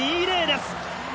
です！